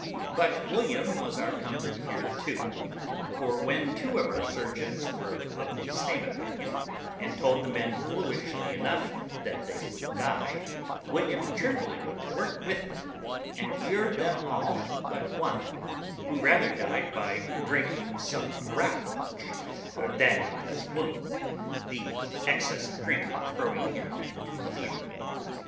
But William was our comfort here too; for, when two of our surgeons were of the same opinion, and told the men foolishly enough that they would die, William cheerfully went to work with them, and cured them all but one, who rather died by drinking some arrack punch than of his wound; the excess of drinking throwing him into a fever.